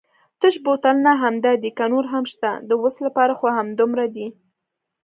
تش بوتلونه همدای دي که نور هم شته؟ د اوس لپاره خو همدومره دي.